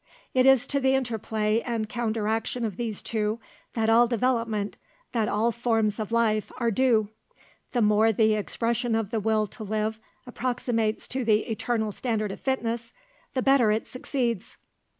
It is to the interplay and counter action of these two that all developement, that all forms of life are due. The more the expression of the will to live approximates to the eternal standard of fitness, the better it succeeds."